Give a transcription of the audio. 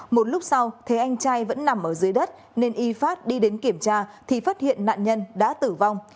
một lúc sau thế anh trai vẫn nằm ở dưới đất nên y phát đi đến kiểm tra thì phát hiện nạn nhân đã tử vong